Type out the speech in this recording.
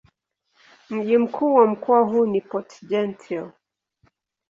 Mji mkuu wa mkoa huu ni Port-Gentil.